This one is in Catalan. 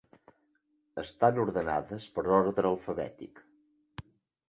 Estan ordenades per ordre alfabètic.